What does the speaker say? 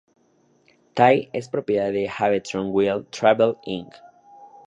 Tai es propiedad de "Have Trunk Will Travel, Inc.